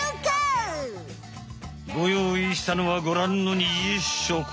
ごよういしたのはごらんの２０色。